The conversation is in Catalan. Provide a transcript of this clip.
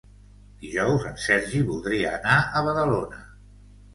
Dijous en Sergi voldria anar a Badalona.